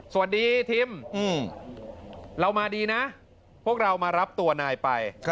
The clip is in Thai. สวัสดีทิมเรามาดีนะพวกเรามารับตัวนายไป